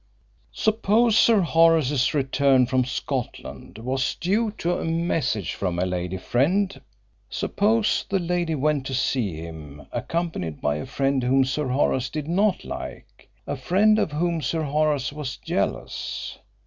Suppose Sir Horace's return from Scotland was due to a message from a lady friend; suppose the lady went to see him accompanied by a friend whom Sir Horace did not like a friend of whom Sir Horace was jealous.